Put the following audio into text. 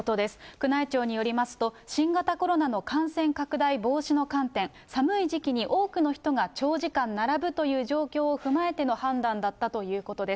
宮内庁によりますと、新型コロナの感染拡大防止の観点、寒い時期に多くの人が長時間並ぶという状況を踏まえての判断だったということです。